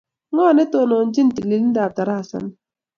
Ng' o ne tonoonchin tililindap tarasa ni?